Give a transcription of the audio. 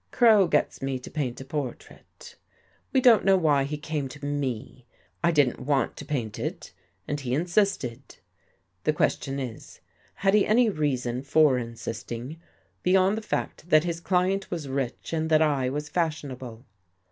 "Crow gets me to paint a. portrait. We don't know why he came to me. I didn't want to paint it and he insisted. The question is, had he any reason for insisting, beyond the fact that his client was rich and that I was fashionable?